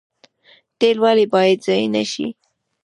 تیل ولې باید ضایع نشي؟